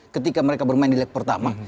ketika mereka bermain di leg pertama